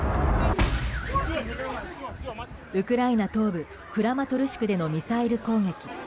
ウクライナ東部クラマトルシクでのミサイル攻撃。